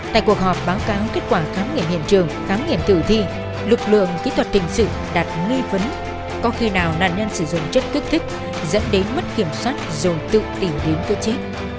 tại cuộc họp báo cáo kết quả khám nghiệm hiện trường khám nghiệm tử thi lực lượng kỹ thuật hình sự đặt nghi vấn có khi nào nạn nhân sử dụng chất kích thích dẫn đến mất kiểm soát rồi tự tìm đến cái chết